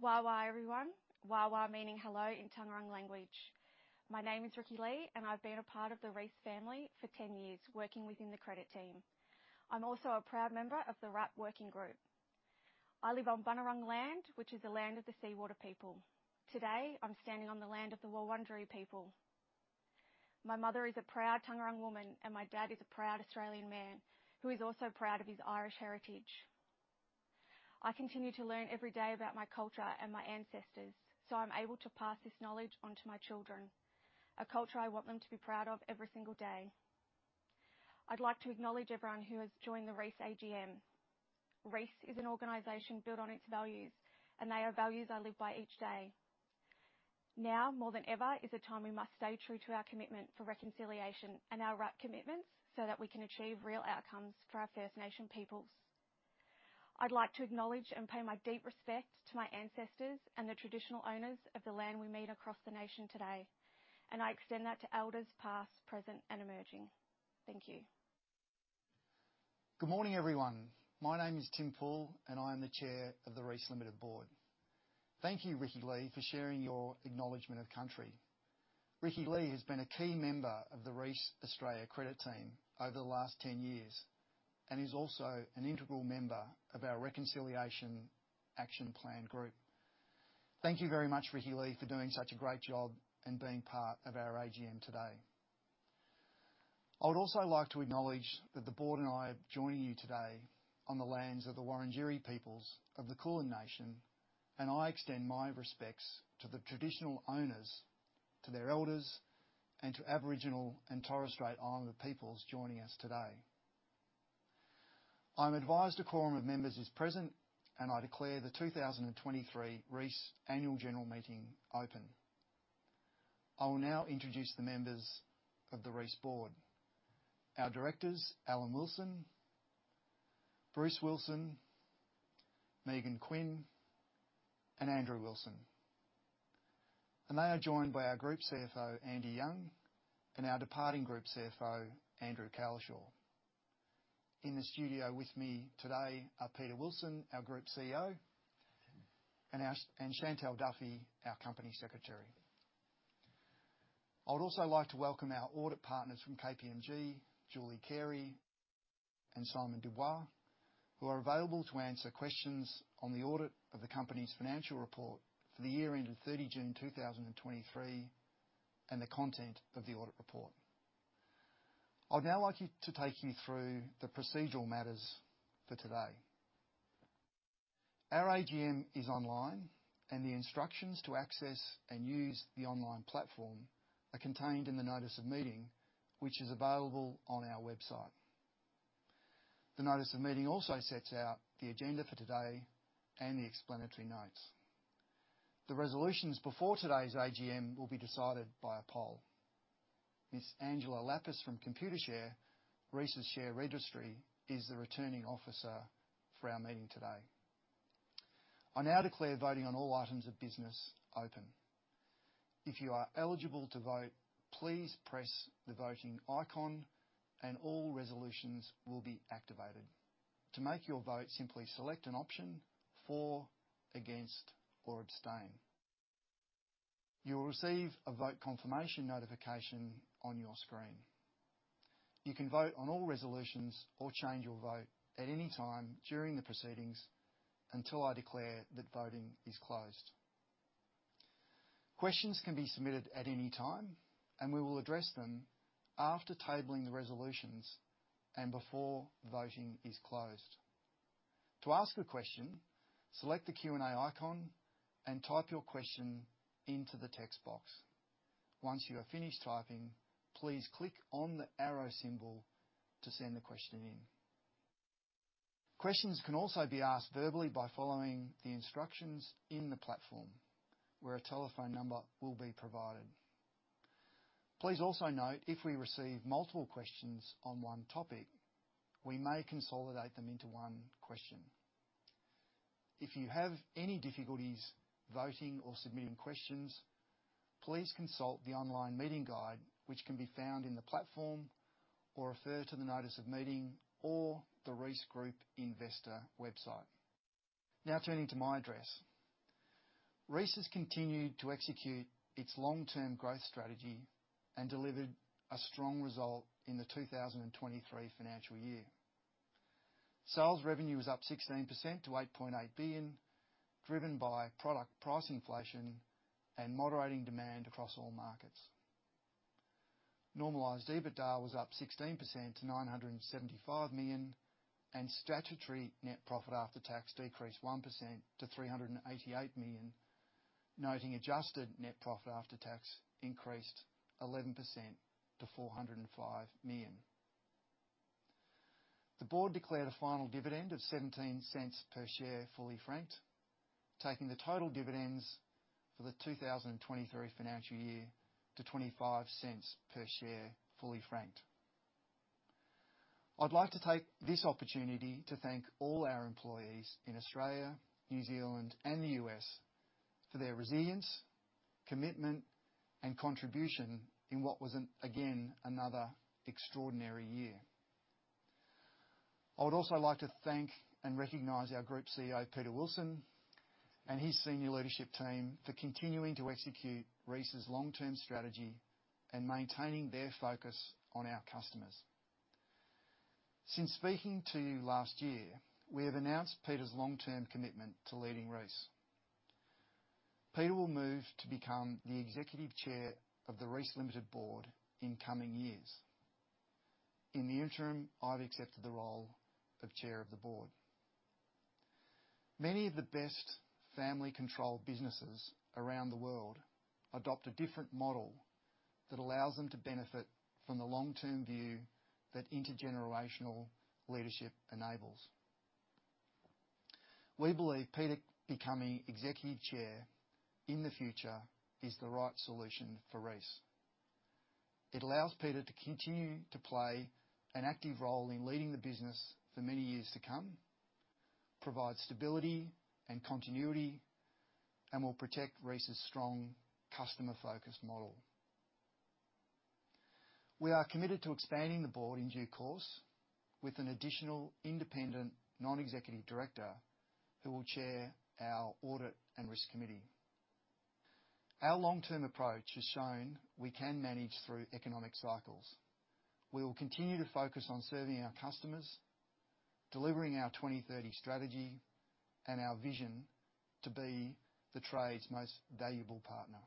Waa Waa, everyone. Waa Waa meaning hello in Taungurung language. My name is Rikki-Lee, and I've been a part of the Reece family for 10 years, working within the credit team. I'm also a proud member of the RAP working group. I live on Bunurong land, which is the land of the Seawater People. Today, I'm standing on the land of the Wurundjeri people. My mother is a proud Taungurung woman, and my dad is a proud Australian man who is also proud of his Irish heritage. I continue to learn every day about my culture and my ancestors, so I'm able to pass this knowledge on to my children, a culture I want them to be proud of every single day. I'd like to acknowledge everyone who has joined the Reece AGM. Reece is an organization built on its values, and they are values I live by each day. Now more than ever is a time we must stay true to our commitment for reconciliation and our RAP commitments so that we can achieve real outcomes for our First Nation peoples. I'd like to acknowledge and pay my deep respect to my ancestors and the traditional owners of the land we meet across the nation today, and I extend that to elders past, present, and emerging. Thank you. Good morning, everyone. My name is Tim Poole, and I am the Chair of the Reece Limited Board. Thank you, Rikki-Lee, for sharing your acknowledgment of country. Rikki-Lee has been a key member of the Reece Australia credit team over the last 10 years and is also an integral member of our Reconciliation Action Plan group. Thank you very much, Rikki-Lee, for doing such a great job and being part of our AGM today. I would also like to acknowledge that the board and I are joining you today on the lands of the Wurundjeri peoples of the Kulin Nation, and I extend my respects to the traditional owners, to their elders, and to Aboriginal and Torres Strait Islander peoples joining us today. I'm advised a quorum of members is present, and I declare the 2023 Reece Annual General Meeting open. I will now introduce the members of the Reece board. Our directors, Alan Wilson, Bruce Wilson, Megan Quinn, and Andrew Wilson, and they are joined by our Group CFO, Andy Young, and our departing Group CFO, Andrew Cowlishaw. In the studio with me today are Peter Wilson, our Group CEO, and Chantelle Duffy, our Company Secretary. I would also like to welcome our audit partners from KPMG, Julie Carey and Simon Dubois, who are available to answer questions on the audit of the company's financial report for the year ended 30 June 2023, and the content of the audit report. I'd now like to take you through the procedural matters for today. Our AGM is online, and the instructions to access and use the online platform are contained in the notice of meeting, which is available on our website. The notice of meeting also sets out the agenda for today and the explanatory notes. The resolutions before today's AGM will be decided by a poll. Miss Angela Lapis from Computershare, Reece's share registry, is the Returning Officer for our meeting today. I now declare voting on all items of business open. If you are eligible to vote, please press the voting icon, and all resolutions will be activated. To make your vote, simply select an option, For, Against, or Abstain. You will receive a vote confirmation notification on your screen. You can vote on all resolutions or change your vote at any time during the proceedings, until I declare that voting is closed. Questions can be submitted at any time, and we will address them after tabling the resolutions and before voting is closed. To ask a question, select the Q&A icon and type your question into the text box. Once you are finished typing, please click on the arrow symbol to send the question in. Questions can also be asked verbally by following the instructions in the platform, where a telephone number will be provided. Please also note, if we receive multiple questions on one topic, we may consolidate them into one question. If you have any difficulties voting or submitting questions, please consult the online meeting guide, which can be found in the platform, or refer to the notice of meeting or the Reece Group investor website. Now turning to my address. Reece has continued to execute its long-term growth strategy and delivered a strong result in the 2023 Financial Year. Sales revenue was up 16% to 8.8 billion, driven by product price inflation and moderating demand across all markets. Normalized EBITDA was up 16% to 975 million, and statutory net profit after tax decreased 1% to 388 million, noting adjusted net profit after tax increased 11% to 405 million. The board declared a final dividend of 0.17 per share, fully franked, taking the total dividends for the 2023 Financial Year to 0.25 per share, fully franked. I'd like to take this opportunity to thank all our employees in Australia, New Zealand, and the U.S. for their resilience, commitment, and contribution in what was, again, another extraordinary year.... I would also like to thank and recognize our Group CEO, Peter Wilson, and his senior leadership team for continuing to execute Reece's long-term strategy and maintaining their focus on our customers. Since speaking to you last year, we have announced Peter's long-term commitment to leading Reece. Peter will move to become the Executive Chair of the Reece Limited Board in coming years. In the interim, I've accepted the role of Chair of the Board. Many of the best family-controlled businesses around the world adopt a different model that allows them to benefit from the long-term view that intergenerational leadership enables. We believe Peter becoming Executive Chair in the future is the right solution for Reece. It allows Peter to continue to play an active role in leading the business for many years to come, provide stability and continuity, and will protect Reece's strong customer-focused model. We are committed to expanding the board in due course with an additional independent, non-executive director who will chair our Audit and Risk Committee. Our long-term approach has shown we can manage through economic cycles. We will continue to focus on serving our customers, delivering our 2030 strategy, and our vision to be the trade's most valuable partner.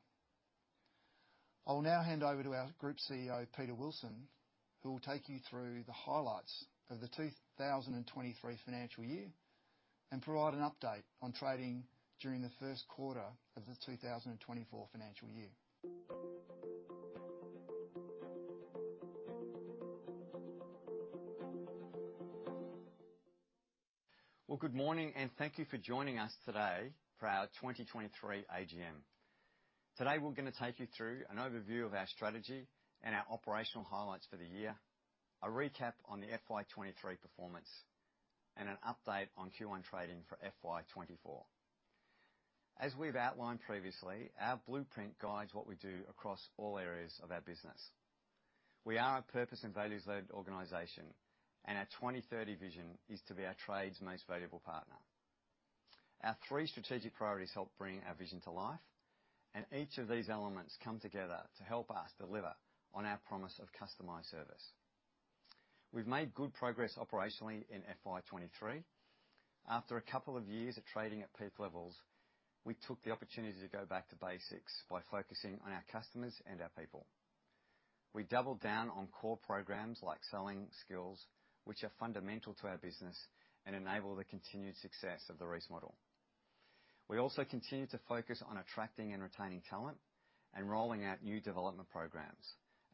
I will now hand over to our Group CEO, Peter Wilson, who will take you through the highlights of the 2023 Financial Year and provide an update on trading during the first quarter of the 2024 Financial Year. Well, good morning, and thank you for joining us today for our 2023 AGM. Today, we're gonna take you through an overview of our strategy and our operational highlights for the year, a recap on the FY 2023 performance, and an update on Q1 trading for FY 2024. As we've outlined previously, our blueprint guides what we do across all areas of our business. We are a purpose and values-led organization, and our 2030 vision is to be our trade's most valuable partner. Our three strategic priorities help bring our vision to life, and each of these elements come together to help us deliver on our promise of customized service. We've made good progress operationally in FY 2023. After a couple of years of trading at peak levels, we took the opportunity to go back to basics by focusing on our customers and our people. We doubled down on core programs like selling skills, which are fundamental to our business and enable the continued success of the Reece model. We also continued to focus on attracting and retaining talent and rolling out new development programs,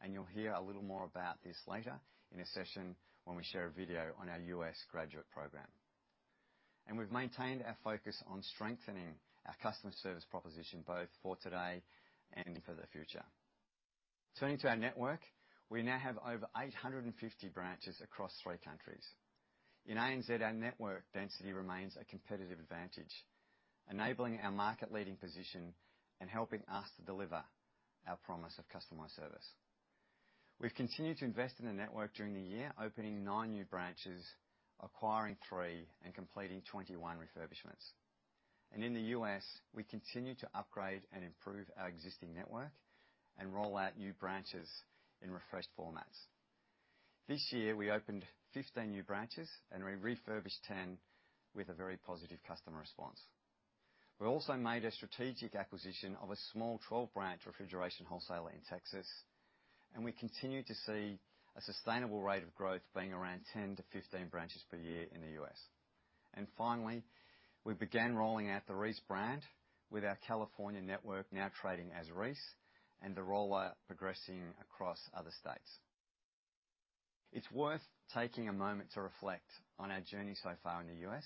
and you'll hear a little more about this later in a session when we share a video on our U.S. graduate program. We've maintained our focus on strengthening our customer service proposition, both for today and for the future. Turning to our network, we now have over 850 branches across three countries. In ANZ, our network density remains a competitive advantage, enabling our market-leading position and helping us to deliver our promise of customized service. We've continued to invest in the network during the year, opening nine new branches, acquiring three, and completing 21 refurbishments. In the US, we continue to upgrade and improve our existing network and roll out new branches in refreshed formats. This year, we opened 15 new branches, and we refurbished 10 with a very positive customer response. We also made a strategic acquisition of a small 12-branch refrigeration wholesaler in Texas, and we continue to see a sustainable rate of growth, being around 10-15 branches per year in the U.S.. And finally, we began rolling out the Reece brand, with our California network now trading as Reece and the rollout progressing across other states. It's worth taking a moment to reflect on our journey so far in the U.S..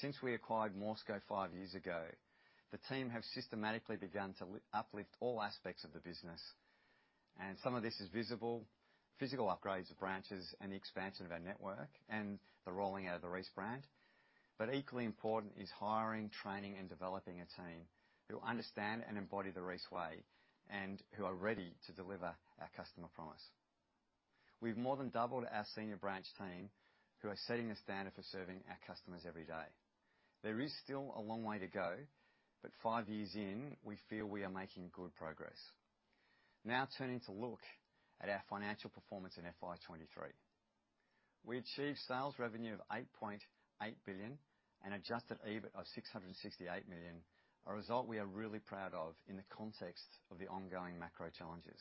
Since we acquired Morsco five years ago, the team have systematically begun to uplift all aspects of the business, and some of this is visible. Physical upgrades of branches and the expansion of our network and the rolling out of the Reece brand. But equally important is hiring, training, and developing a team who understand and embody the Reece way and who are ready to deliver our customer promise. We've more than doubled our senior branch team, who are setting the standard for serving our customers every day. There is still a long way to go, but five years in, we feel we are making good progress. Now turning to look at our financial performance in FY 2023. We achieved sales revenue of 8.8 billion and adjusted EBIT of 668 million, a result we are really proud of in the context of the ongoing macro challenges.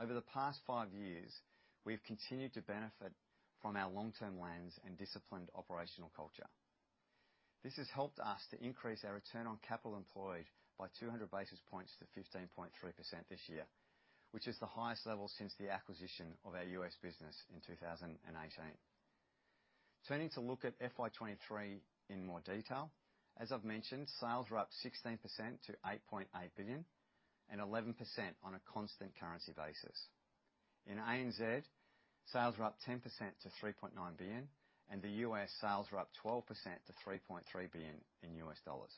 Over the past five years, we've continued to benefit from our long-term lens and disciplined operational culture. This has helped us to increase our return on capital employed by 200 basis points to 15.3% this year, which is the highest level since the acquisition of our U.S. business in 2018. Turning to look at FY 2023 in more detail. As I've mentioned, sales were up 16% to 8.8 billion, and 11% on a constant currency basis. In ANZ, sales were up 10% to 3.9 billion, and the U.S. sales were up 12% to $3.3 billion in US dollars.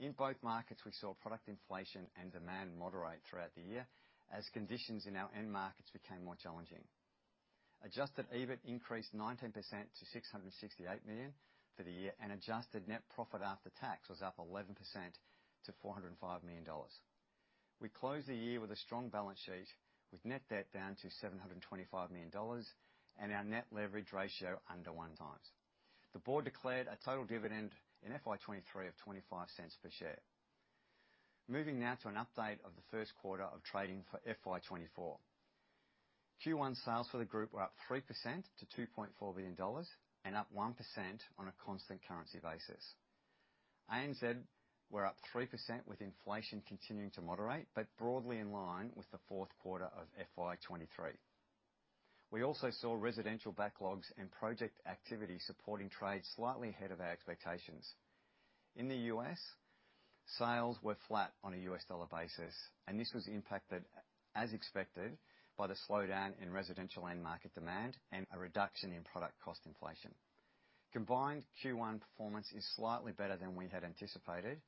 In both markets, we saw product inflation and demand moderate throughout the year as conditions in our end markets became more challenging. Adjusted EBIT increased 19% to 668 million for the year, and adjusted net profit after tax was up 11% to 405 million dollars. We closed the year with a strong balance sheet, with net debt down to 725 million dollars and our net leverage ratio under 1x. The board declared a total dividend in FY 2023 of 0.25 per share. Moving now to an update of the first quarter of trading for FY 2024. Q1 sales for the group were up 3% to 2.4 billion dollars and up 1% on a constant currency basis. ANZ were up 3%, with inflation continuing to moderate, but broadly in line with the fourth quarter of FY 2023. We also saw residential backlogs and project activity supporting trade slightly ahead of our expectations. In the U.S., sales were flat on a U.S. dollar basis, and this was impacted, as expected, by the slowdown in residential end market demand and a reduction in product cost inflation. Combined Q1 performance is slightly better than we had anticipated,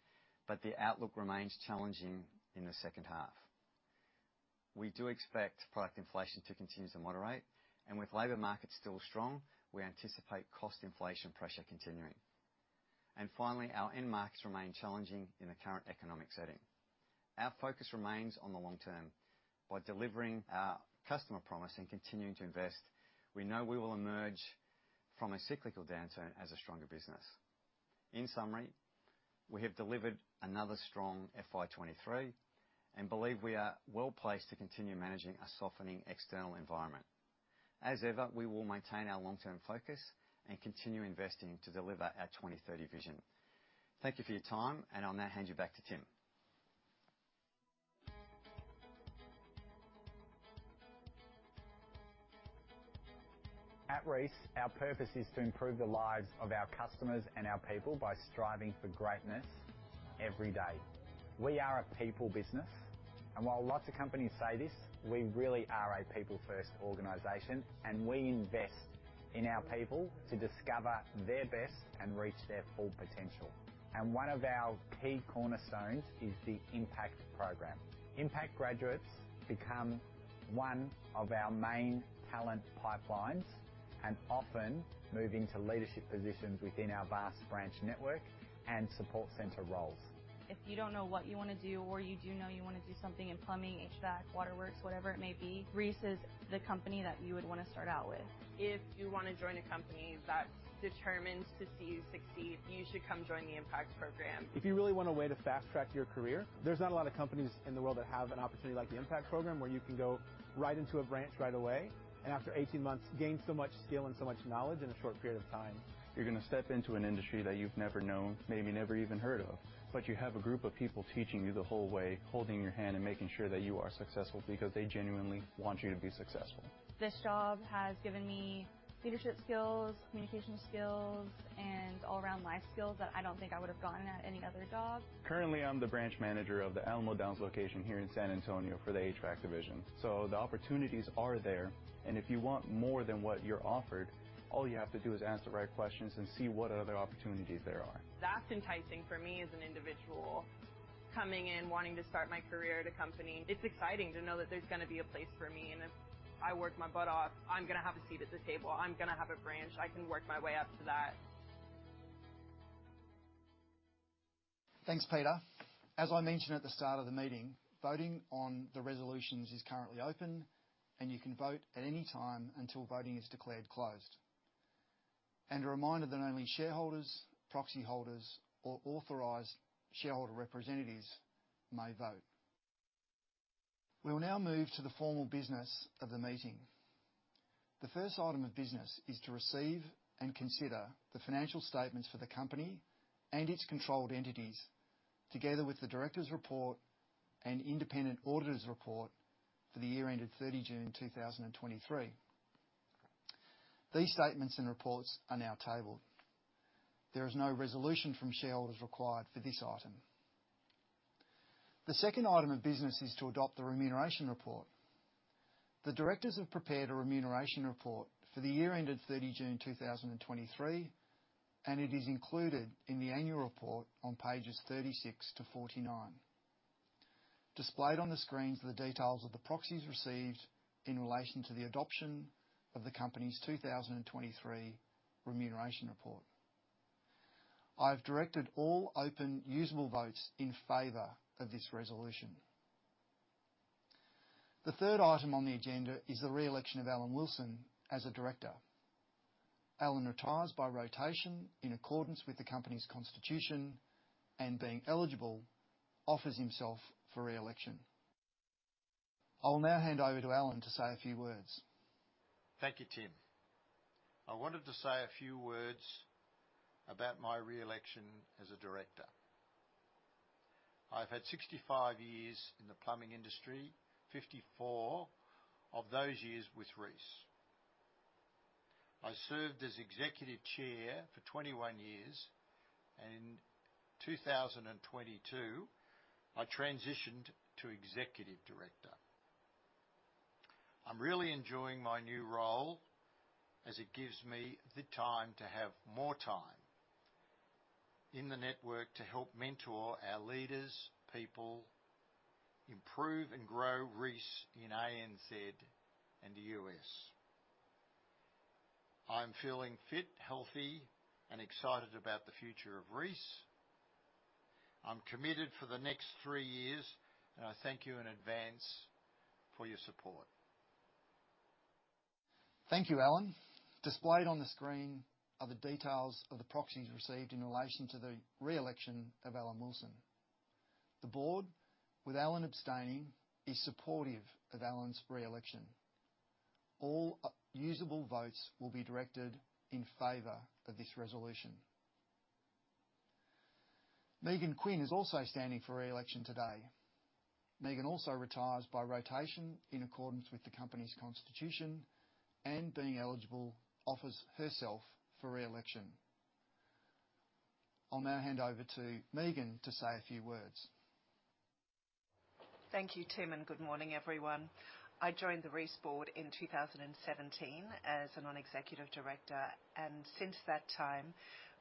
but the outlook remains challenging in the second half. We do expect product inflation to continue to moderate, and with labor markets still strong, we anticipate cost inflation pressure continuing. And finally, our end markets remain challenging in the current economic setting. Our focus remains on the long term. By delivering our customer promise and continuing to invest, we know we will emerge from a cyclical downturn as a stronger business. In summary, we have delivered another strong FY 2023 and believe we are well placed to continue managing a softening external environment. As ever, we will maintain our long-term focus and continue investing to deliver our 2030 vision. Thank you for your time, and I'll now hand you back to Tim. At Reece, our purpose is to improve the lives of our customers and our people by striving for greatness every day. We are a people business, and while lots of companies say this, we really are a people-first organization, and we invest in our people to discover their best and reach their full potential. One of our key cornerstones is the Impact Program. Impact graduates become one of our main talent pipelines and often move into leadership positions within our vast branch network and support center roles. If you don't know what you wanna do or you do know you wanna do something in plumbing, HVAC, waterworks, whatever it may be, Reece is the company that you would wanna start out with. If you wanna join a company that's determined to see you succeed, you should come join the Impact Program. If you really want a way to fast-track your career, there's not a lot of companies in the world that have an opportunity like the Impact Program, where you can go right into a branch right away, and after 18 months, gain so much skill and so much knowledge in a short period of time. You're gonna step into an industry that you've never known, maybe never even heard of, but you have a group of people teaching you the whole way, holding your hand and making sure that you are successful because they genuinely want you to be successful. This job has given me leadership skills, communication skills, and all-around life skills that I don't think I would have gotten at any other job. Currently, I'm the branch manager of the Alamo Downs location here in San Antonio for the HVAC division. So the opportunities are there, and if you want more than what you're offered, all you have to do is ask the right questions and see what other opportunities there are. That's enticing for me as an individual coming in, wanting to start my career at a company. It's exciting to know that there's gonna be a place for me, and if I work my butt off, I'm gonna have a seat at the table. I'm gonna have a branch. I can work my way up to that. Thanks, Peter. As I mentioned at the start of the meeting, voting on the resolutions is currently open, and you can vote at any time until voting is declared closed. A reminder that only shareholders, proxy holders, or authorized shareholder representatives may vote. We will now move to the formal business of the meeting. The first item of business is to receive and consider the financial statements for the company and its controlled entities, together with the directors' report and independent auditors' report for the year ended 30 June 2023. These statements and reports are now tabled. There is no resolution from shareholders required for this item. The second item of business is to adopt the remuneration report. The directors have prepared a Remuneration Report for the year ended 30 June 2023, and it is included in the Annual Report on pages 36-49. Displayed on the screen are the details of the proxies received in relation to the adoption of the company's 2023 Remuneration Report. I've directed all open, usable votes in favor of this resolution. The third item on the agenda is the re-election of Alan Wilson as a director. Alan retires by rotation in accordance with the company's constitution, and being eligible, offers himself for re-election. I'll now hand over to Alan to say a few words. Thank you, Tim. I wanted to say a few words about my re-election as a director. I've had 65 years in the plumbing industry, 54 of those years with Reece. I served as Executive Chair for 21 years, and in 2022, I transitioned to Executive Director. I'm really enjoying my new role, as it gives me the time to have more time in the network to help mentor our leaders, people, improve and grow Reece in ANZ and the U.S. I'm feeling fit, healthy, and excited about the future of Reece. I'm committed for the next 3 years, and I thank you in advance for your support. Thank you, Alan. Displayed on the screen are the details of the proxies received in relation to the re-election of Alan Wilson. The board, with Alan abstaining, is supportive of Alan's re-election. All usable votes will be directed in favor of this resolution. Megan Quinn is also standing for re-election today. Megan also retires by rotation in accordance with the company's constitution and, being eligible, offers herself for re-election. I'll now hand over to Megan to say a few words. Thank you, Tim, and good morning, everyone. I joined the Reece board in 2017 as a non-executive director, and since that time,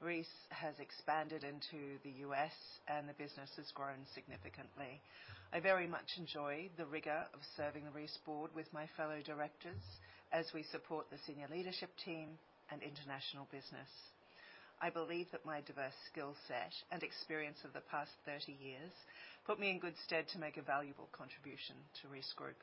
Reece has expanded into the U.S. and the business has grown significantly. I very much enjoy the rigor of serving the Reece board with my fellow directors as we support the senior leadership team and international business. I believe that my diverse skill set and experience of the past 30 years put me in good stead to make a valuable contribution to Reece Group.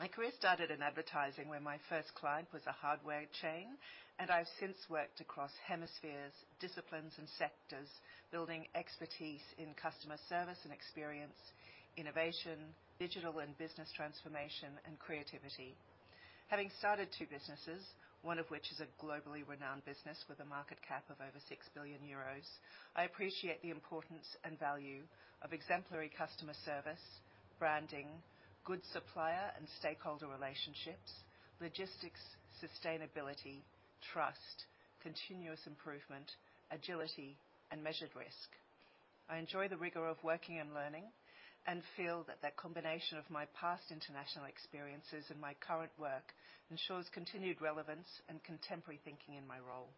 My career started in advertising, where my first client was a hardware chain, and I've since worked across hemispheres, disciplines, and sectors, building expertise in customer service and experience, innovation, digital and business transformation, and creativity. Having started two businesses, one of which is a globally renowned business with a market cap of over 6 billion euros, I appreciate the importance and value of exemplary customer service, branding, good supplier and stakeholder relationships, logistics, sustainability, trust, continuous improvement, agility, and measured risk. I enjoy the rigor of working and learning and feel that that combination of my past international experiences and my current work ensures continued relevance and contemporary thinking in my role.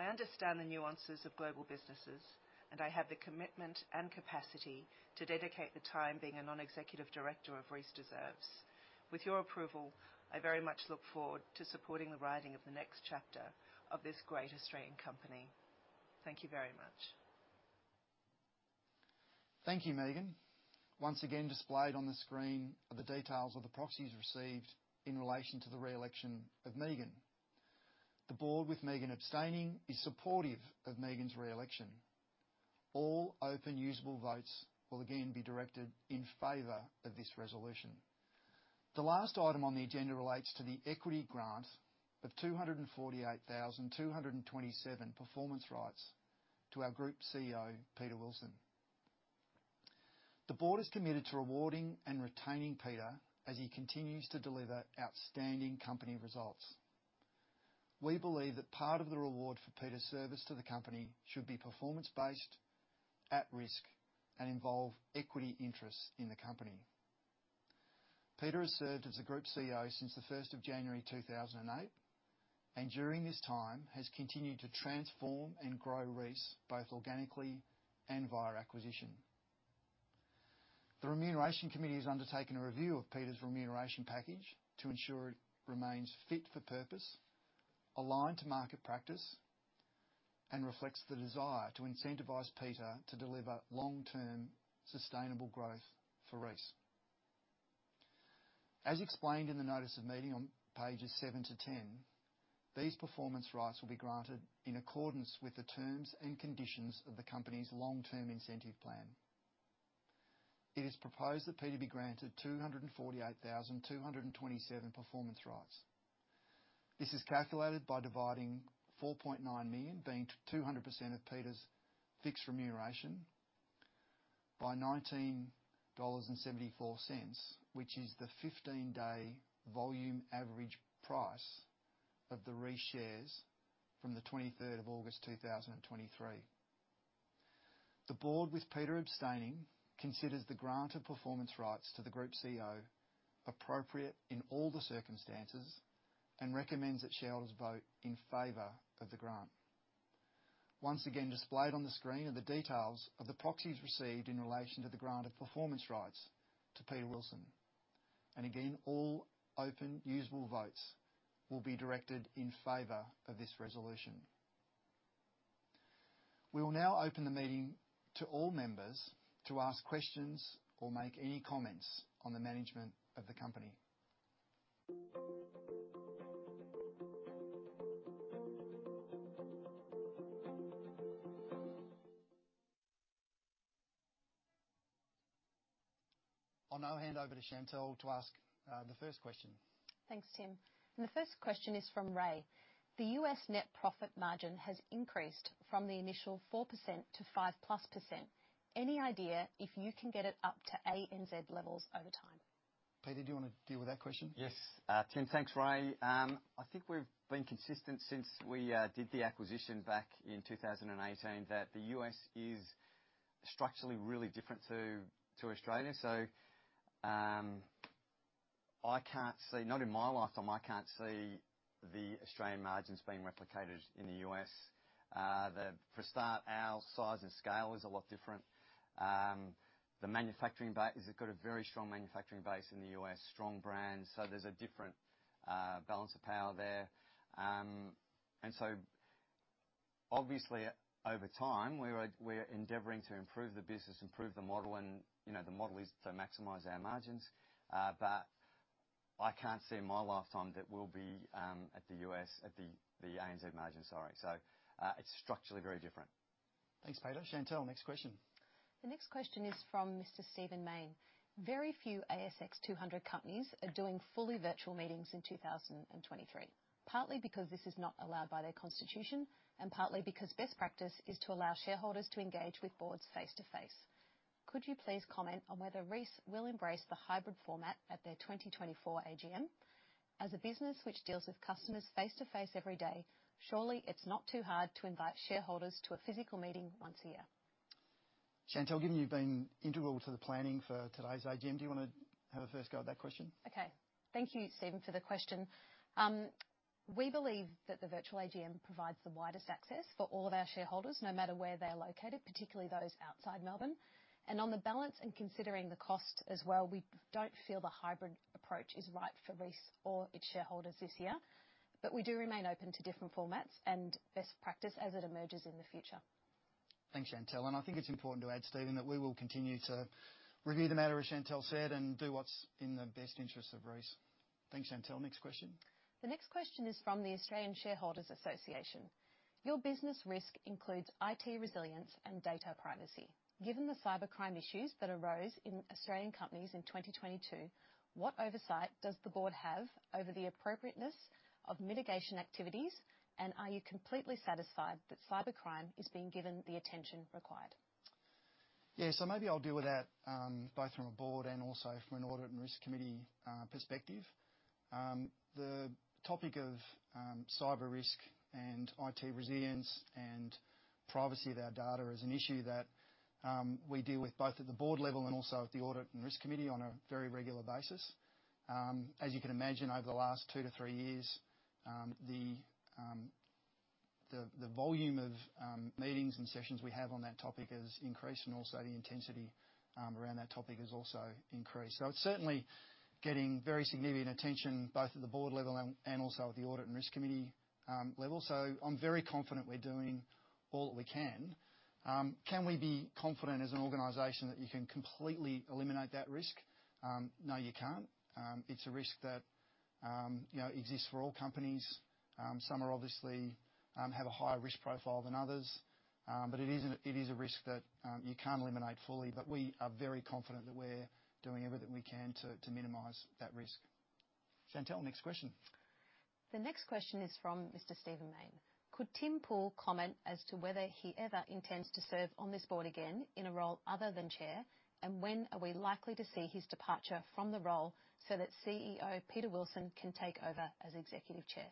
I understand the nuances of global businesses, and I have the commitment and capacity to dedicate the time being a non-executive director of Reece deserves. With your approval, I very much look forward to supporting the writing of the next chapter of this great Australian company. Thank you very much. Thank you, Megan. Once again, displayed on the screen are the details of the proxies received in relation to the re-election of Megan. The board, with Megan abstaining, is supportive of Megan's re-election. All open, usable votes will again be directed in favor of this resolution. The last item on the agenda relates to the equity grant of 248,227 Performance Rights to our Group CEO, Peter Wilson. The board is committed to rewarding and retaining Peter as he continues to deliver outstanding company results. We believe that part of the reward for Peter's service to the company should be performance-based, at risk, and involve equity interest in the company. Peter has served as the Group CEO since January 1, 2008, and during this time has continued to transform and grow Reece, both organically and via acquisition. The Remuneration Committee has undertaken a review of Peter's remuneration package to ensure it remains fit for purpose, aligned to market practice, and reflects the desire to incentivize Peter to deliver long-term sustainable growth for Reece. As explained in the notice of meeting on pages 7-10, these performance rights will be granted in accordance with the terms and conditions of the company's long-term incentive plan. It is proposed that Peter be granted 248,227 performance rights. This is calculated by dividing 4.9 million, being 200% of Peter's fixed remuneration, by 19.74 dollars, which is the 15-day volume average price of the Reece shares from the 23rd of August 2023. The board, with Peter abstaining, considers the grant of performance rights to the Group CEO appropriate in all the circumstances and recommends that shareholders vote in favor of the grant. Once again, displayed on the screen are the details of the proxies received in relation to the grant of performance rights to Peter Wilson. Again, all open, usable votes will be directed in favor of this resolution. We will now open the meeting to all members to ask questions or make any comments on the management of the company. I'll now hand over to Chantelle to ask the first question. Thanks, Tim. The first question is from Ray: The U.S. net profit margin has increased from the initial 4%- 5%+. Any idea if you can get it up to ANZ levels over time? Peter, do you want to deal with that question? Yes. Tim, thanks, Ray. I think we've been consistent since we did the acquisition back in 2018, that the US is structurally really different to Australia. So, I can't see, not in my lifetime, I can't see the Australian margins being replicated in the U.S. For starters, our size and scale is a lot different. The manufacturing base, they've got a very strong manufacturing base in the U.S., strong brands, so there's a different balance of power there. And so obviously, over time, we're endeavoring to improve the business, improve the model, and, you know, the model is to maximize our margins. But I can't see in my lifetime that we'll be at the ANZ margins, sorry. So, it's structurally very different. Thanks, Peter. Chantelle, ne xt question. The next question is from Mr. Stephen Mayne. Very few ASX 200 companies are doing fully virtual meetings in 2023, partly because this is not allowed by their constitution, and partly because best practice is to allow shareholders to engage with boards face-to-face. Could you please comment on whether Reece will embrace the hybrid format at their 2024 AGM? As a business which deals with customers face-to-face every day, surely it's not too hard to invite shareholders to a physical meeting once a year. Chantelle, given you've been integral to the planning for today's AGM, do you wanna have a first go at that question? Okay. Thank you, Steven, for the question. We believe that the virtual AGM provides the widest access for all of our shareholders, no matter where they're located, particularly those outside Melbourne. And on the balance, and considering the cost as well, we don't feel the hybrid approach is right for Reece or its shareholders this year. But we do remain open to different formats and best practice as it emerges in the future. Thanks, Chantelle. And I think it's important to add, Steven, that we will continue to review the matter, as Chantelle said, and do what's in the best interests of Reece. Thanks, Chantelle. Next question. The next question is from the Australian Shareholders Association. Your business risk includes IT resilience and data privacy. Given the cybercrime issues that arose in Australian companies in 2022, what oversight does the board have over the appropriateness of mitigation activities? And are you completely satisfied that cybercrime is being given the attention required? Yeah, so maybe I'll deal with that, both from a board and also from an audit and risk committee perspective. The topic of cyber risk and IT resilience and privacy of our data is an issue that we deal with both at the board level and also at the audit and risk committee on a very regular basis. As you can imagine, over the last two to three years, the volume of meetings and sessions we have on that topic has increased, and also the intensity around that topic has also increased. So it's certainly getting very significant attention, both at the board level and also at the audit and risk committee level. So I'm very confident we're doing all that we can. Can we be confident as an organization that you can completely eliminate that risk? No, you can't. It's a risk that, you know, exists for all companies. Some are obviously have a higher risk profile than others. But it is a risk that you can't eliminate fully, but we are very confident that we're doing everything we can to minimize that risk. Chantelle, next question. The next question is from Mr. Steven Main. Could Tim Poole comment as to whether he ever intends to serve on this board again in a role other than chair? And when are we likely to see his departure from the role so that CEO Peter Wilson can take over as Executive Chair?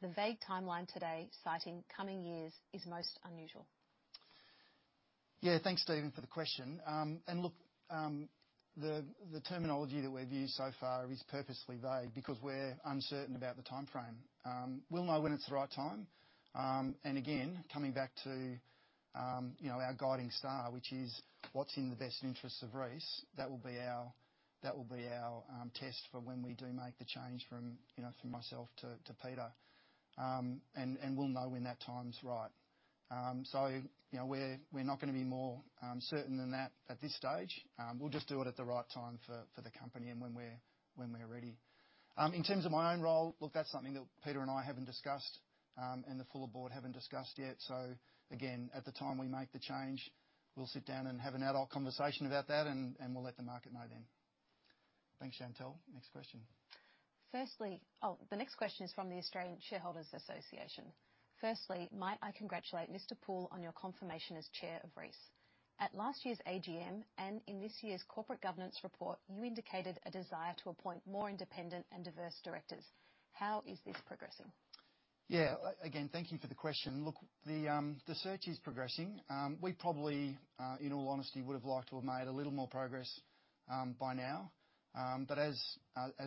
The vague timeline today, citing coming years, is most unusual. Yeah, thanks, Steven, for the question. And look, the terminology that we've used so far is purposely vague, because we're uncertain about the timeframe. We'll know when it's the right time. And again, coming back to, you know, our guiding star, which is what's in the best interests of Reece, that will be our test for when we do make the change from, you know, from myself to, to Peter. And we'll know when that time's right. So, you know, we're not gonna be more certain than that at this stage. We'll just do it at the right time for the company and when we're ready. In terms of my own role, look, that's something that Peter and I haven't discussed, and the full Board haven't discussed yet. So again, at the time we make the change, we'll sit down and have an adult conversation about that, and we'll let the market know then. Thanks, Chantelle. Next question. The next question is from the Australian Shareholders Association. Firstly, might I congratulate Mr. Poole on your confirmation as chair of Reece. At last year's AGM, and in this year's corporate governance report, you indicated a desire to appoint more independent and diverse directors. How is this progressing? Yeah, again, thank you for the question. Look, the search is progressing. We probably, in all honesty, would have liked to have made a little more progress, by now. But as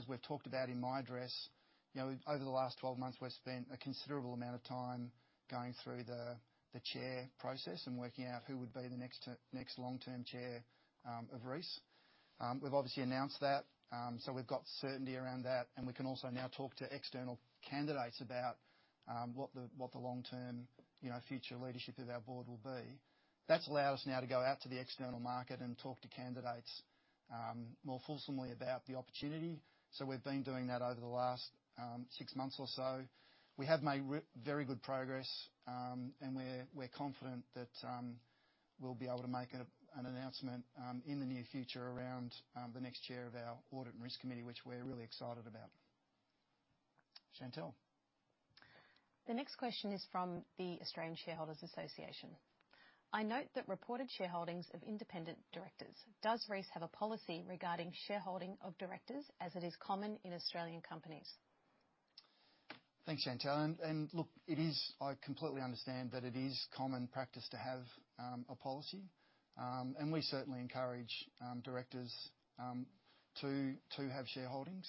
we've talked about in my address, you know, over the last 12 months, we've spent a considerable amount of time going through the chair process and working out who would be the next long-term chair of Reece. We've obviously announced that, so we've got certainty around that, and we can also now talk to external candidates about what the long-term, you know, future leadership of our board will be. That's allowed us now to go out to the external market and talk to candidates more fulsomely about the opportunity, so we've been doing that over the last six months or so. We have made very good progress, and we're confident that we'll be able to make an announcement in the near future around the next chair of our audit and risk committee, which we're really excited about. Chantelle? The next question is from the Australian Shareholders Association: I note that reported shareholdings of independent directors. Does Reece have a policy regarding shareholding of directors, as it is common in Australian companies?... Thanks, Chantelle. And look, it is, I completely understand that it is common practice to have a policy. And we certainly encourage directors to have shareholdings,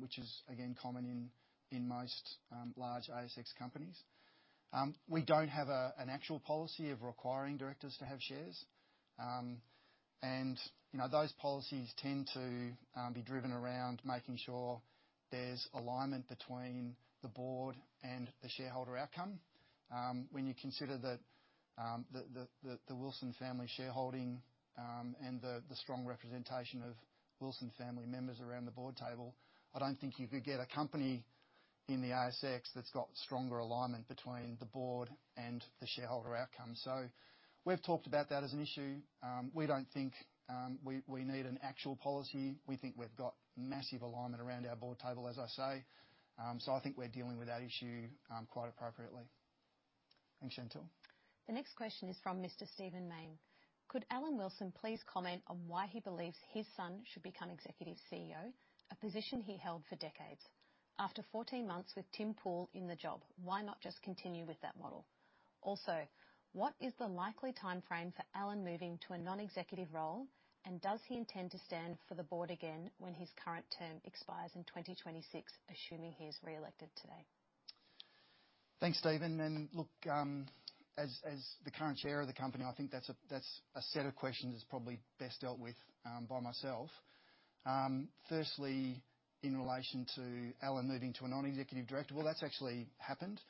which is, again, common in most large ASX companies. We don't have an actual policy of requiring directors to have shares. And, you know, those policies tend to be driven around making sure there's alignment between the board and the shareholder outcome. When you consider the Wilson family shareholding, and the strong representation of Wilson family members around the board table, I don't think you could get a company in the ASX that's got stronger alignment between the board and the shareholder outcome. So we've talked about that as an issue. We don't think we need an actual policy. We think we've got massive alignment around our board table, as I say. So I think we're dealing with that issue, quite appropriately. Thanks, Chantelle. The next question is from Mr. Steven Main. Could Alan Wilson please comment on why he believes his son should become executive CEO, a position he held for decades? After 14 months with Tim Poole in the job, why not just continue with that model? Also, what is the likely timeframe for Alan moving to a non-executive role, and does he intend to stand for the board again when his current term expires in 2026, assuming he is reelected today? Thanks, Steven. And look, as the current chair of the company, I think that's a set of questions that's probably best dealt with by myself. Firstly, in relation to Alan moving to a non-executive director, well, that's actually happened.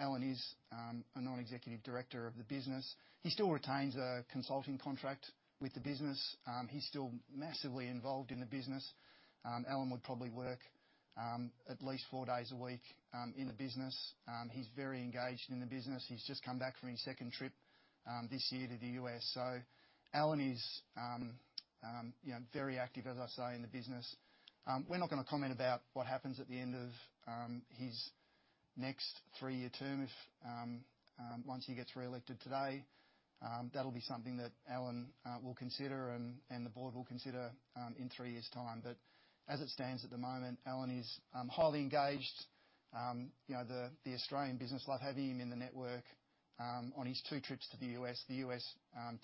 Alan is a non-executive director of the business. He still retains a consulting contract with the business. He's still massively involved in the business. Alan would probably work at least four days a week in the business. He's very engaged in the business. He's just come back from his second trip this year to the U.S.. So Alan is, you know, very active, as I say, in the business. We're not gonna comment about what happens at the end of his next three-year term. If... Once he gets reelected today, that'll be something that Alan will consider, and the board will consider in three years' time. But as it stands at the moment, Alan is highly engaged. You know, the Australian business love having him in the network. On his two trips to the U.S., the U.S.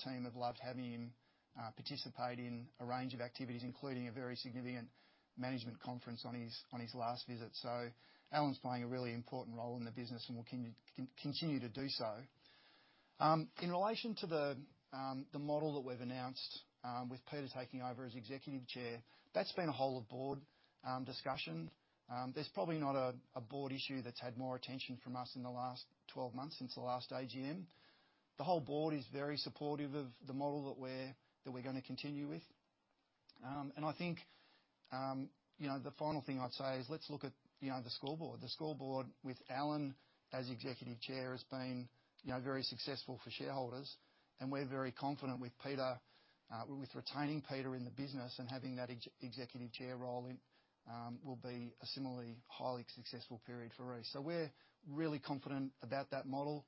team have loved having him participate in a range of activities, including a very significant management conference on his last visit. So Alan's playing a really important role in the business and will continue to do so. In relation to the model that we've announced with Peter taking over as Executive Chair, that's been a whole-of-board discussion. There's probably not a board issue that's had more attention from us in the last 12 months since the last AGM. The whole board is very supportive of the model that we're gonna continue with. And I think, you know, the final thing I'd say is, let's look at, you know, the scoreboard. The scoreboard with Alan as Executive Chair has been, you know, very successful for shareholders, and we're very confident with Peter, with retaining Peter in the business and having that ex-Executive Chair role in, will be a similarly highly successful period for Reece. So we're really confident about that model.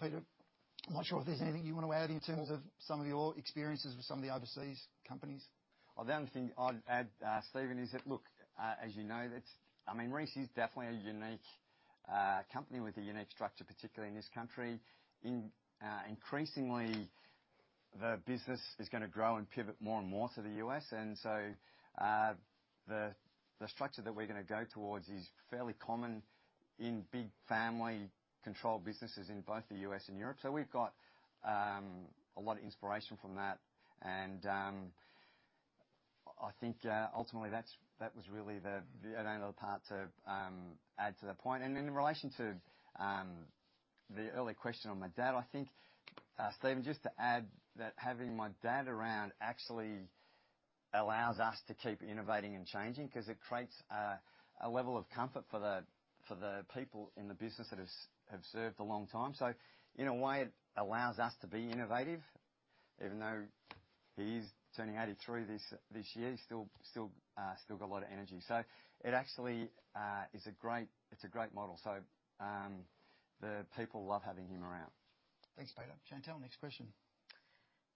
Peter, I'm not sure if there's anything you want to add in terms of some of your experiences with some of the overseas companies? The only thing I'd add, Steven, is that, look, as you know, that's, I mean, Reece is definitely a unique company with a unique structure, particularly in this country. Increasingly, the business is gonna grow and pivot more and more to the U.S. And so, the structure that we're gonna go towards is fairly common in big family-controlled businesses in both the U.S. and Europe. So we've got a lot of inspiration from that, and I think, ultimately, that's, that was really the only other part to add to that point. And then in relation to the earlier question on my dad, I think, Steven, just to add that having my dad around actually allows us to keep innovating and changing, 'cause it creates a level of comfort for the people in the business that have served a long time. So in a way, it allows us to be innovative, even though he's turning 83 this year, he's still got a lot of energy. So it actually is a great model. So the people love having him around. Thanks, Peter. Chantelle, next question.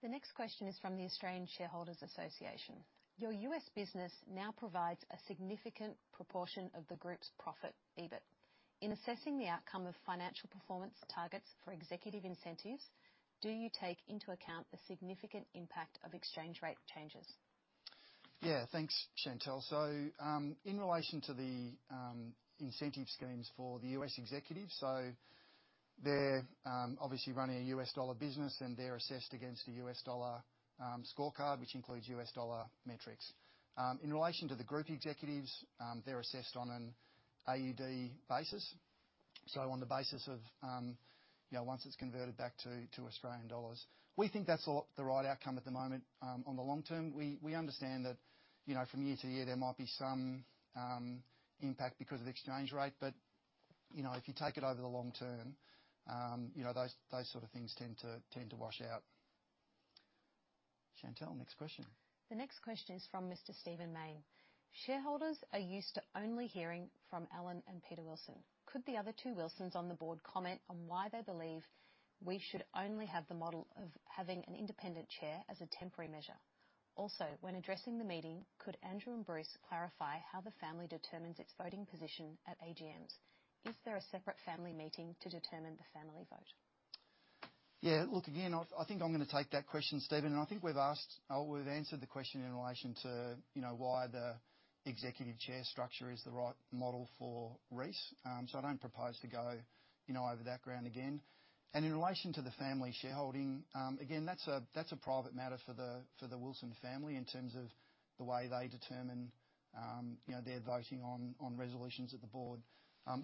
The next question is from the Australian Shareholders Association: Your U.S. business now provides a significant proportion of the group's profit, EBIT. In assessing the outcome of financial performance targets for executive incentives, do you take into account the significant impact of exchange rate changes? Yeah. Thanks, Chantelle. So, in relation to the incentive schemes for the U.S. executives, so they're obviously running a U.S. dollar business, and they're assessed against the U.S. dollar scorecard, which includes U.S. dollar metrics. In relation to the group executives, they're assessed on an AUD basis, so on the basis of, you know, once it's converted back to Australian dollars. We think that's the right outcome at the moment. On the long term, we understand that, you know, from year to year, there might be some impact because of exchange rate, but, you know, if you take it over the long term, you know, those sort of things tend to wash out. Chantelle, next question. The next question is from Mr. Steven Main: Shareholders are used to only hearing from Alan and Peter Wilson. Could the other two Wilsons on the board comment on why they believe we should only have the model of having an independent chair as a temporary measure? Also, when addressing the meeting, could Andrew and Bruce clarify how the family determines its voting position at AGMs? Is there a separate family meeting to determine the family vote? Yeah, look, again, I think I'm gonna take that question, Steven, and I think we've answered the question in relation to, you know, why the executive chair structure is the right model for Reece. So I don't propose to go, you know, over that ground again. And in relation to the family shareholding, again, that's a private matter for the Wilson family in terms of the way they determine, you know, their voting on resolutions of the board.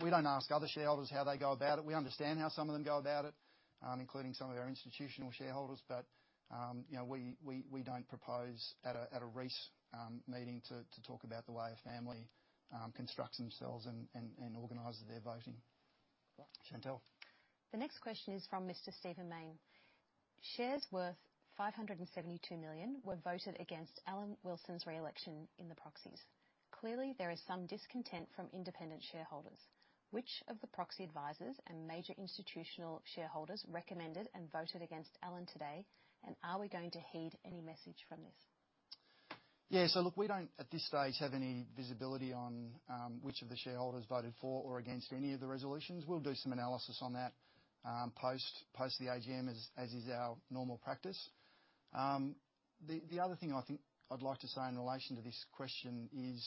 We don't ask other shareholders how they go about it. We understand how some of them go about it, including some of our institutional shareholders, but, you know, we don't propose at a Reece meeting to talk about the way a family constructs themselves and organizes their voting. Chantelle? The next question is from Mr. Steven Main. "Shares worth 572 million were voted against Alan Wilson's re-election in the proxies. Clearly, there is some discontent from independent shareholders. Which of the proxy advisors and major institutional shareholders recommended and voted against Alan today, and are we going to heed any message from this? Yeah, so look, we don't, at this stage, have any visibility on which of the shareholders voted for or against any of the resolutions. We'll do some analysis on that, post the AGM, as is our normal practice. The other thing I think I'd like to say in relation to this question is,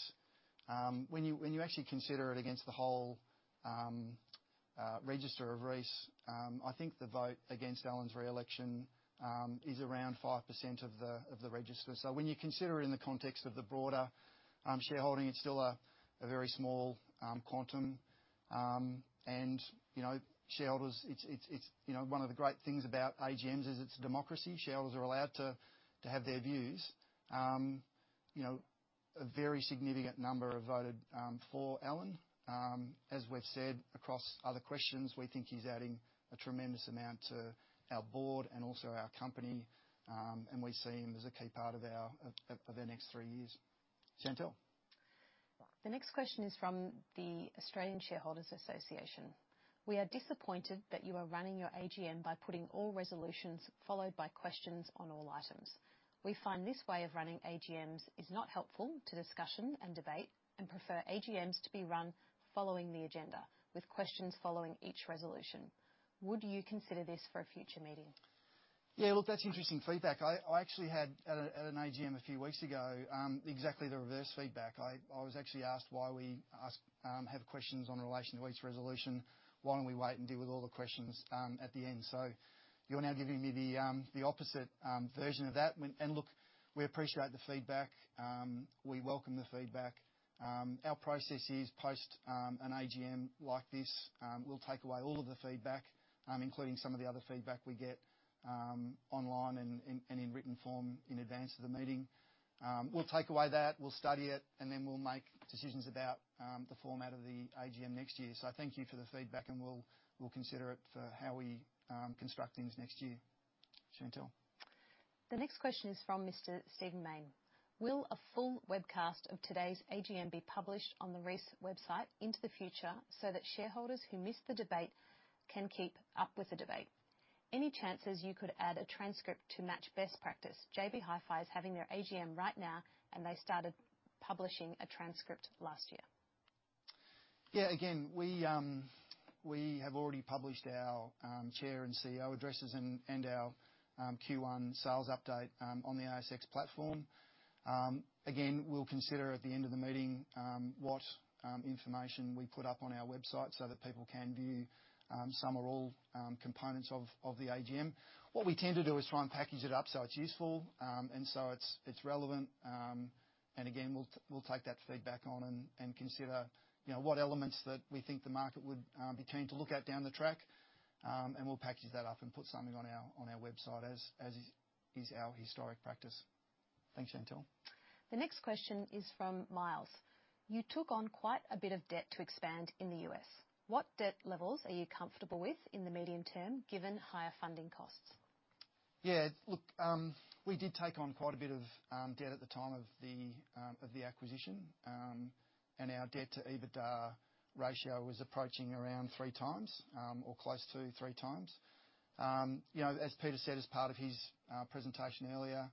when you, when you actually consider it against the whole register of Reece, I think the vote against Alan's re-election is around 5% of the register. So when you consider it in the context of the broader shareholding, it's still a very small quantum. And, you know, shareholders, it's, it's, it's... You know, one of the great things about AGMs is it's democracy. Shareholders are allowed to have their views. You know, a very significant number have voted for Alan. As we've said across other questions, we think he's adding a tremendous amount to our board and also our company, and we see him as a key part of our of the next three years. Chantelle? The next question is from the Australian Shareholders Association: "We are disappointed that you are running your AGM by putting all resolutions followed by questions on all items. We find this way of running AGMs is not helpful to discussion and debate, and prefer AGMs to be run following the agenda, with questions following each resolution. Would you consider this for a future meeting? Yeah, look, that's interesting feedback. I actually had at an AGM a few weeks ago exactly the reverse feedback. I was actually asked why we have questions in relation to each resolution. Why don't we wait and deal with all the questions at the end? So you're now giving me the opposite version of that. And look, we appreciate the feedback. We welcome the feedback. Our process is, post an AGM like this, we'll take away all of the feedback, including some of the other feedback we get online and in written form in advance of the meeting. We'll take away that, we'll study it, and then we'll make decisions about the format of the AGM next year. I thank you for the feedback, and we'll, we'll consider it for how we construct things next year. Chantelle? The next question is from Mr. Steven Main: "Will a full webcast of today's AGM be published on the Reece website into the future so that shareholders who missed the debate can keep up with the debate? Any chances you could add a transcript to match best practice? JB Hi-Fi is having their AGM right now, and they started publishing a transcript last year. Yeah, again, we have already published our chair and CEO addresses and our Q1 sales update on the ASX platform. Again, we'll consider at the end of the meeting what information we put up on our website so that people can view some or all components of the AGM. What we tend to do is try and package it up so it's useful and so it's relevant. And again, we'll take that feedback on and consider, you know, what elements that we think the market would be keen to look at down the track. And we'll package that up and put something on our website, as is our historic practice. Thanks, Chantelle. The next question is from Miles: "You took on quite a bit of debt to expand in the U.S. What debt levels are you comfortable with in the medium term, given higher funding costs? Yeah, look, we did take on quite a bit of debt at the time of the acquisition. And our debt to EBITDA ratio was approaching around 3x or close to 3x. You know, as Peter said, as part of his presentation earlier,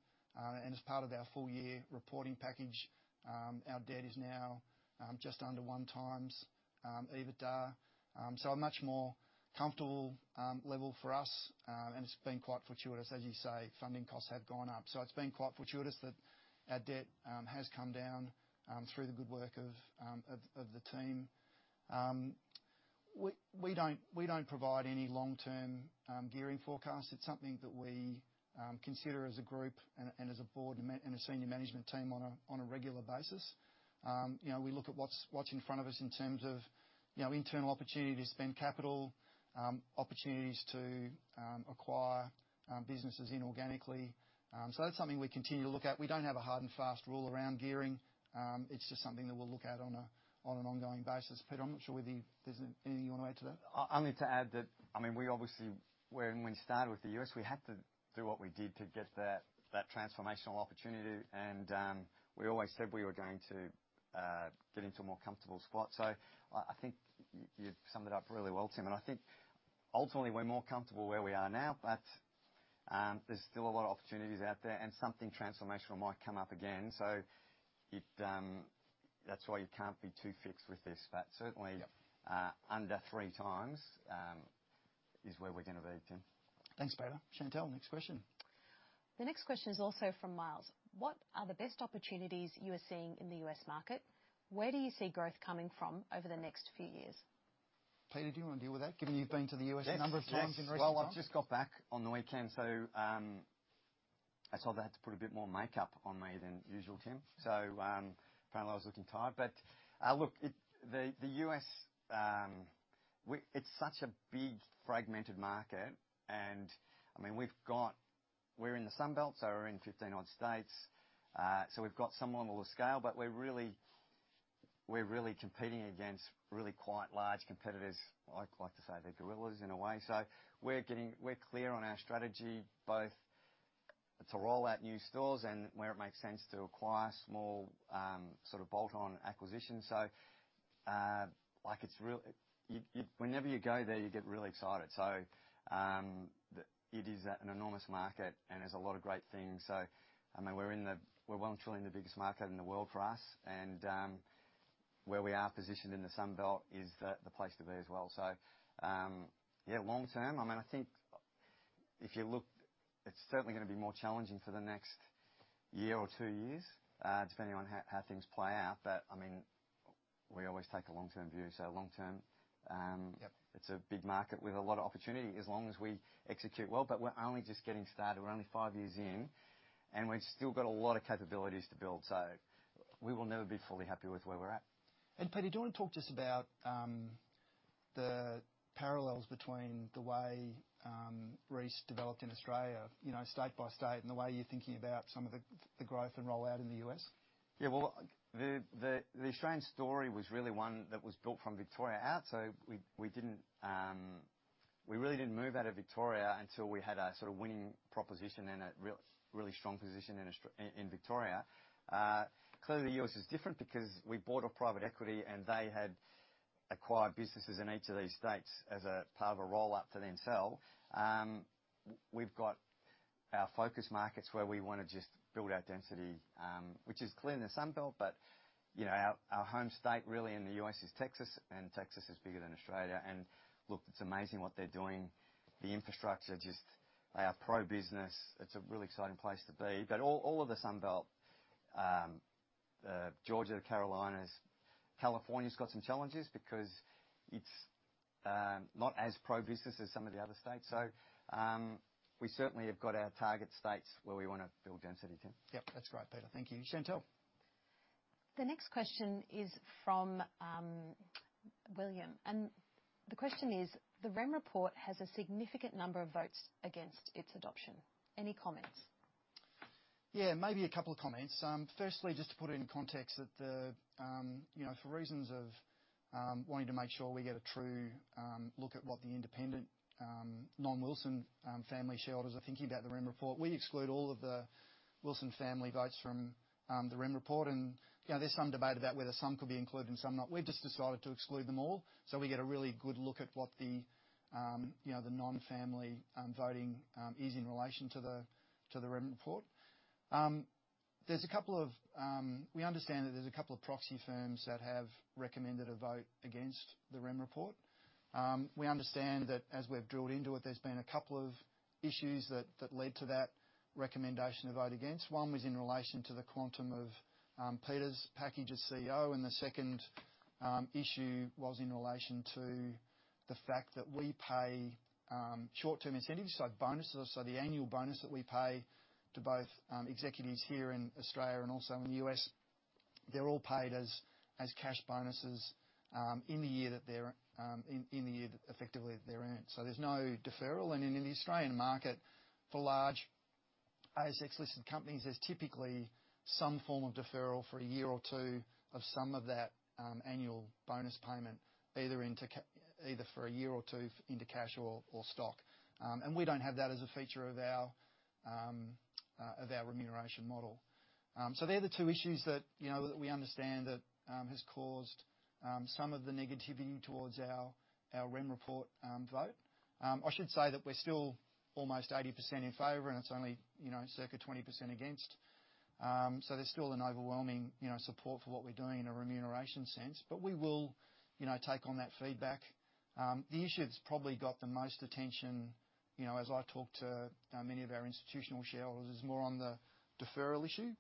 and as part of our full year reporting package, our debt is now just under 1x EBITDA. So a much more comfortable level for us, and it's been quite fortuitous. As you say, funding costs have gone up, so it's been quite fortuitous that our debt has come down through the good work of the team. We don't provide any long-term gearing forecast. It's something that we consider as a group and as a board and a senior management team on a regular basis. You know, we look at what's in front of us in terms of, you know, internal opportunity to spend capital, opportunities to acquire businesses inorganically. So that's something we continue to look at. We don't have a hard and fast rule around gearing. It's just something that we'll look at on an ongoing basis. Peter, I'm not sure whether you, there's anything you want to add to that? Only to add that, I mean, we obviously, when we started with the U.S., we had to do what we did to get that, that transformational opportunity, and we always said we were going to get into a more comfortable spot. So I, I think you, you've summed it up really well, Tim, and I think, ultimately, we're more comfortable where we are now, but there's still a lot of opportunities out there, and something transformational might come up again. So it, that's why you can't be too fixed with this. But certainly- Yep. Under three times is where we're gonna be, Tim. Thanks, Peter. Chantelle, next question. The next question is also from Miles: "What are the best opportunities you are seeing in the US market? Where do you see growth coming from over the next few years? Peter, do you wanna deal with that, given you've been to the US a number of times in recent time? Yes. Yes. Well, I've just got back on the weekend, so I saw I had to put a bit more makeup on me than usual, Tim, so apparently I was looking tired. But look, the U.S., it's such a big, fragmented market and, I mean, we're in the Sun Belt, so we're in 15 odd states. So we've got some level of scale, but we're really competing against really quite large competitors. I'd like to say they're gorillas in a way. So we're clear on our strategy, both to roll out new stores and where it makes sense, to acquire small, sort of bolt-on acquisitions. So you, whenever you go there, you get really excited. So it is an enormous market and there's a lot of great things. So I mean, we're well and truly in the biggest market in the world for us, and where we are positioned in the Sun Belt is the place to be as well. So yeah, long term, I mean, I think if you look, it's certainly gonna be more challenging for the next year or two years, depending on how things play out. But I mean, we always take a long-term view. So long term, Yep... it's a big market with a lot of opportunity as long as we execute well. But we're only just getting started. We're only five years in, and we've still got a lot of capabilities to build, so we will never be fully happy with where we're at. Peter, do you wanna talk just about the parallels between the way Reece developed in Australia, you know, state by state, and the way you're thinking about some of the growth and rollout in the U.S.? Yeah, well, the Australian story was really one that was built from Victoria out. So we, we didn't, we really didn't move out of Victoria until we had a sort of winning proposition and a really strong position in Australia in, in Victoria. Clearly, the U.S. is different because we bought a private equity, and they had acquired businesses in each of these states as a part of a roll-up to then sell. We've got our focus markets where we wanna just build our density, which is clear in the Sun Belt, but you know, our home state really in the U.S. is Texas, and Texas is bigger than Australia. And look, it's amazing what they're doing. The infrastructure, just they are pro-business. It's a really exciting place to be. But all of the Sun Belt, Georgia, the Carolinas... California's got some challenges because it's not as pro-business as some of the other states. So, we certainly have got our target states where we wanna build density, Tim. Yep, that's great, Peter. Thank you. Chantelle? The next question is from William, and the question is: "The ReM Report has a significant number of votes against its adoption. Any comments? Yeah, maybe a couple of comments. Firstly, just to put it in context that the, you know, for reasons of wanting to make sure we get a true look at what the independent non-Wilson family shareholders are thinking about the ReM Report, we exclude all of the Wilson family votes from the Rem Report. And, you know, there's some debate about whether some could be included and some not. We've just decided to exclude them all, so we get a really good look at what the, you know, the non-family voting is in relation to the Rem Report. There's a couple of... We understand that there's a couple of proxy firms that have recommended a vote against the Rem Report. We understand that as we've drilled into it, there's been a couple of issues that led to that recommendation of vote against. One was in relation to the quantum of Peter's package as CEO, and the second issue was in relation to the fact that we pay short-term incentives, so bonuses. So the annual bonus that we pay to both executives here in Australia and also in the U.S., they're all paid as cash bonuses in the year that they're in the year that effectively they're earned, so there's no deferral. And in the Australian market, for large ASX-listed companies, there's typically some form of deferral for a year or two of some of that annual bonus payment, either for a year or two into cash or stock. And we don't have that as a feature of our remuneration model. So they're the two issues that, you know, that we understand that has caused some of the negativity towards our Rem Report vote. I should say that we're still almost 80% in favor, and it's only, you know, circa 20% against. So there's still an overwhelming, you know, support for what we're doing in a remuneration sense, but we will, you know, take on that feedback. The issue that's probably got the most attention, you know, as I've talked to many of our institutional shareholders, is more on the deferral issue.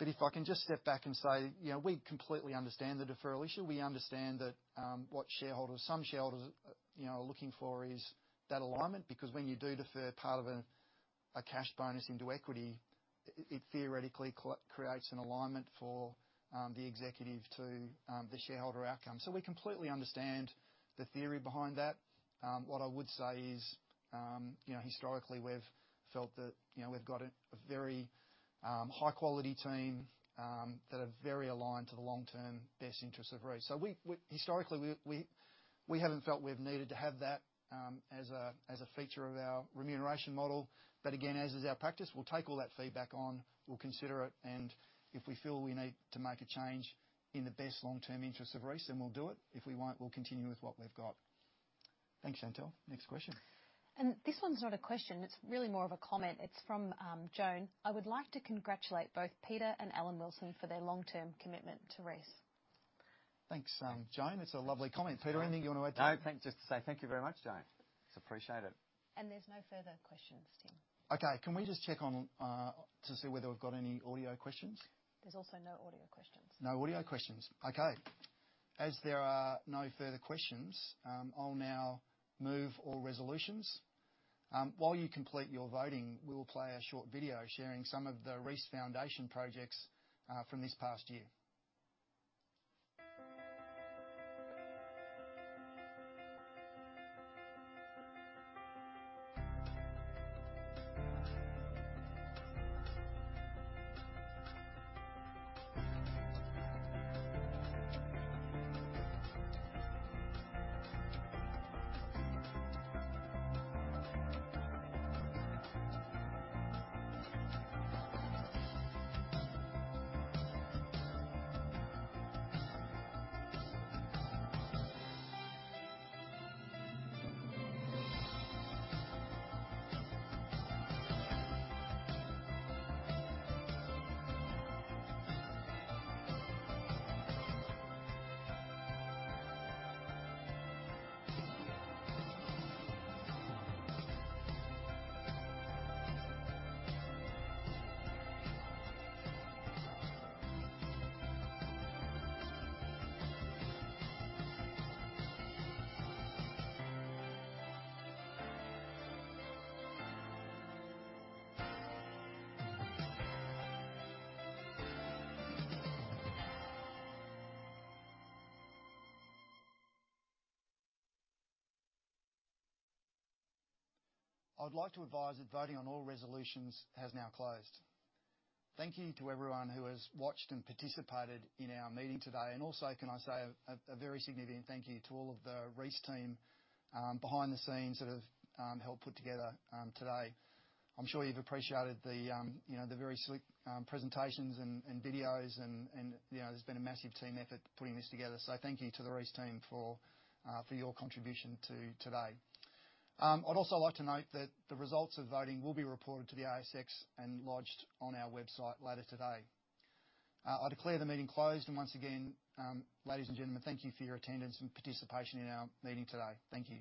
But if I can just step back and say, you know, we completely understand the deferral issue. We understand that what shareholders, some shareholders, you know, are looking for is that alignment, because when you do defer part of a cash bonus into equity, it theoretically creates an alignment for the executive to the shareholder outcome. So we completely understand the theory behind that. What I would say is, you know, historically, we've felt that, you know, we've got a very high quality team that are very aligned to the long-term best interests of Reece. So historically, we haven't felt we've needed to have that as a feature of our remuneration model. But again, as is our practice, we'll take all that feedback on, we'll consider it, and if we feel we need to make a change in the best long-term interest of Reece, then we'll do it. If we won't, we'll continue with what we've got. Thanks, Chantelle. Next question. This one's not a question, it's really more of a comment. It's from, Joan: "I would like to congratulate both Peter and Alan Wilson for their long-term commitment to Reece. Thanks, Joan. It's a lovely comment. Peter, anything you want to add to that? No, thanks. Just to say thank you very much, Joan. It's appreciated. There's no further questions, Tim. Okay. Can we just check on to see whether we've got any audio questions? There's also no audio questions. No audio questions. Okay. As there are no further questions, I'll now move all resolutions. While you complete your voting, we will play a short video sharing some of the Reece Foundation projects from this past year. I would like to advise that voting on all resolutions has now closed. Thank you to everyone who has watched and participated in our meeting today, and also, can I say a very significant thank you to all of the Reece team behind the scenes that have helped put together today. I'm sure you've appreciated the you know, the very slick presentations and you know, there's been a massive team effort putting this together, so thank you to the Reece team for your contribution to today. I'd also like to note that the results of voting will be reported to the ASX and lodged on our website later today. I declare the meeting closed, and once again, ladies and gentlemen, thank you for your attendance and participation in our meeting today. Thank you.